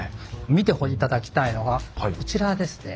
見て頂きたいのがこちらですね。